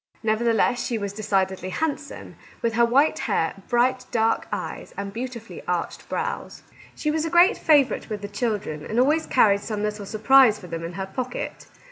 Nevertheless, she was decidedly hand some, with her white hair, bright, dark eyes, and beautifully arched brows. She was a great favourite with the children, and always carried some little surprise for them in her pocket.